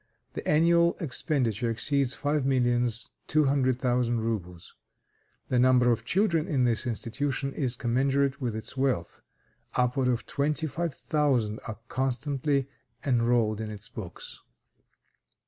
The annual expenditure exceeds five millions two hundred thousand rubles. The number of children in this institution is commensurate with its wealth. Upward of twenty five thousand are constantly enrolled on its books.